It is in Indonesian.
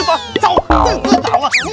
gak tau ustaz juga bingung